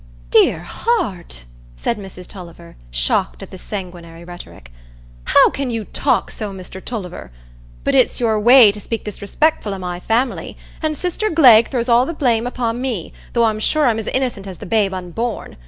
"Dear heart!" said Mrs Tulliver, shocked at this sanguinary rhetoric, "how can you talk so, Mr Tulliver? But it's your way to speak disrespectful o' my family; and sister Glegg throws all the blame upo' me, though I'm sure I'm as innocent as the babe unborn.